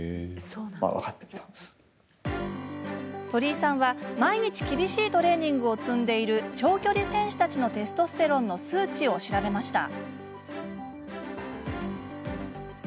鳥居さんは、毎日厳しいトレーニングを積んでいる長距離選手たちのテストステロンの数値を調べました。